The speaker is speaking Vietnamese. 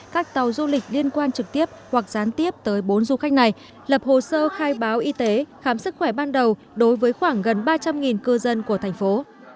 các tàu du lịch liên quan trực tiếp hoặc gián tiếp tới bốn du khách này lập hồ sơ khai báo y tế khám sức khỏe ban đầu đối với khoảng gần ba trăm linh cư dân của thành phố